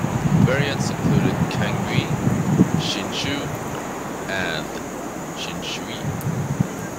Variants include Kangiu, Chinchu, and Chincheu.